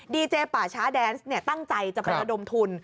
ดีเจป่าช้าแดนซ์เนี่ยตั้งใจจะไปอดมทุน